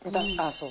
そう。